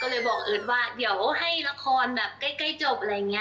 ก็เลยบอกเอิร์ทว่าเดี๋ยวให้ละครแบบใกล้จบอะไรอย่างนี้